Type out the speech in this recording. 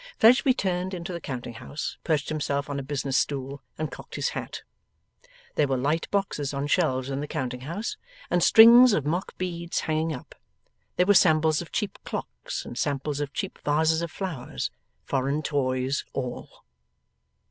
Fledgeby turned into the counting house, perched himself on a business stool, and cocked his hat. There were light boxes on shelves in the counting house, and strings of mock beads hanging up. There were samples of cheap clocks, and samples of cheap vases of flowers. Foreign toys, all.